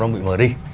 đang bị mở đi